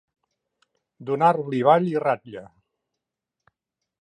Donar-li val i ratlla.